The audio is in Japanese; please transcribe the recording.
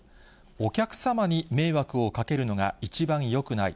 お客様に迷惑をかけるのが一番よくない。